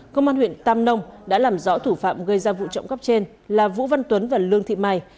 công an huyện tam nông đã làm rõ thủ phạm gây ra vụ trộm cắp trên là vũ văn tuấn và lương thị mai